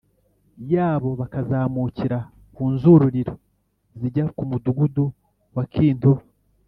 yabo bazamukira ku nzuririro zijya ku mudugudu wa kintobo